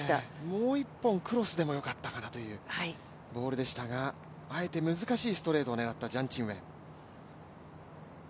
もう一本クロスでもよかったかなというところでしたがあえて難しいストレートを狙ったジャン・チンウェン。